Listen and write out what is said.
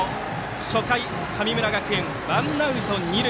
初回、神村学園ワンアウト、二塁。